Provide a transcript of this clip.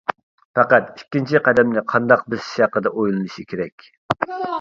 پەقەت ئىككىنچى قەدەمنى قانداق بېسىش ھەققىدە ئويلىنىشى كېرەك.